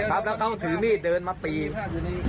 ครับแล้วเขาถือมีดเดินมาปีบ